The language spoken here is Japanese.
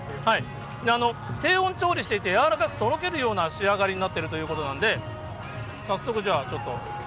低温調理していて、柔らかくとろけるような仕上がりになってるということなんで、早速じゃあ、ちょっと。